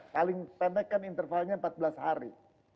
paling pendek kan intervalnya empat belas hari